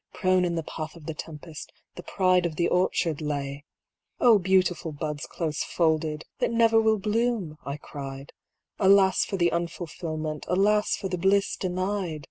Prone in the path of the tempest the pride of the orchard lay! 0 beautiful buds close folded, that never will bloom !" I cried, Alas for the unfulfilment, alas for the bliss denied